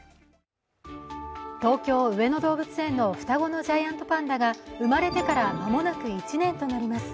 東京・上野動物園の双子のジャイアントパンダが生まれてから間もなく１年となります。